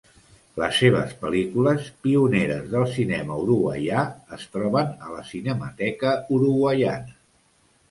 Les seves pel·lícules, pioneres del cinema uruguaià, es troben a la Cinemateca Uruguaiana.